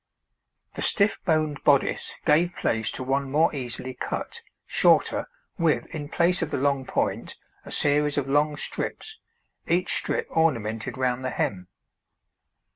The stiff boned bodice gave place to one more easily cut, shorter, with, in place of the long point, a series of long strips, each strip ornamented round the hem.